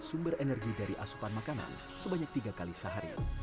sumber energi dari asupan makanan sebanyak tiga kali sehari